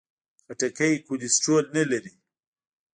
خټکی کولیسټرول نه لري.